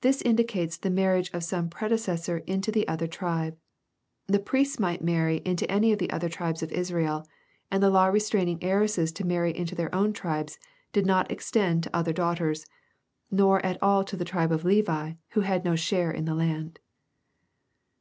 This indicates the mar riage of some predecessor into the other tribe. The priests might marry into any of the tribes of Israel ; and the law restraining heiresses to marry into their own tribes, did not extend to other daughters, nor at all to the tribe of Levi, who had no share in the land."